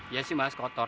ya sih mas kotor